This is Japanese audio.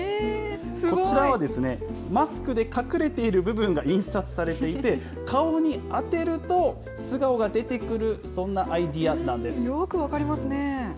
こちらはマスクで隠れている部分が印刷されていて、顔に当てると、素顔が出てくる、そんなアイデアよく分かりますね。